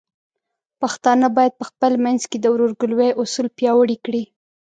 پښتانه بايد په خپل منځ کې د ورورګلوۍ اصول پیاوړي کړي.